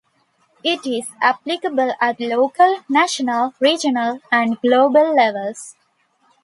It is applicable at local, national, regional and global levels.